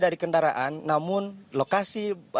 dari kendaraan namun lokasi